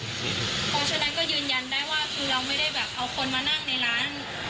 เพราะฉะนั้นก็ยืนยันได้ว่าคือเราไม่ได้แบบเอาคนมานั่งในร้าน